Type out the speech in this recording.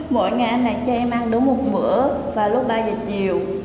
mỗi ngày anh đạt cho em ăn đúng một bữa và lúc ba giờ chiều